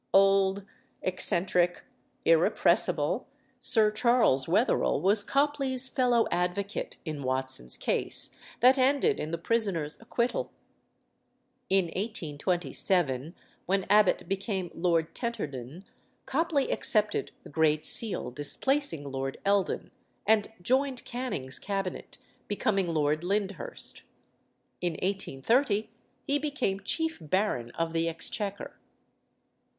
Old, eccentric, "irrepressible" Sir Charles Wetherell was Copley's fellow advocate in Watson's case, that ended in the prisoner's acquittal. In 1827, when Abbott became Lord Tenterden, Copley accepted the Great Seal, displacing Lord Eldon, and joined Canning's cabinet, becoming Lord Lyndhurst. In 1830 he became Chief Baron of the Exchequer.